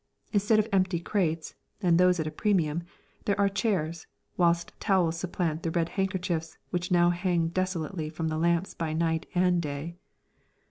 Instead of empty crates (and those at a premium) there are chairs, whilst towels supplant the red handkerchiefs which now hang desolately from the lamps by night and day.